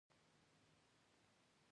هیڅوک به مې یاد نه کړي